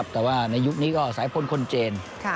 แต่ว่าในยุคนี้ก็สายพลคนจีน